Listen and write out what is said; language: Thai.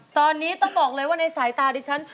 ตอนนี้ต้องบอกเลยว่าในสายตาดิฉัน